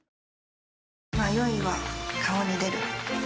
迷いは顔に出る。